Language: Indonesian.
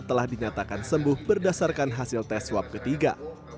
telah dinyatakan sembuh berdasarkan hasil tes swab ketiga